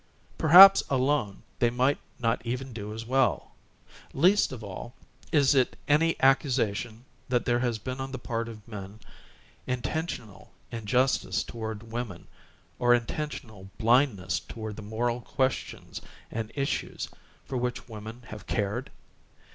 Perhaps alone they might not even do as well. Least of all, is it any accusation that there has been on the part of men intentional injustice toward women, or intentional blindness toward the moral questions and issues for which women have cared.